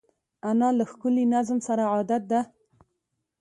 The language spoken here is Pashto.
انا له ښکلي نظم سره عادت ده